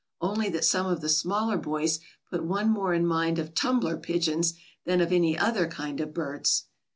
Only that some of the smaller boys put one more in mind of tumbler pigeons than of any other kind of birds.